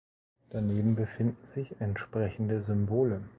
Daneben befinden sich entsprechende Symbole.